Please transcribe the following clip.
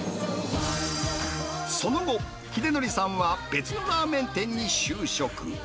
その後、英紀さんは別のラーメン店に就職。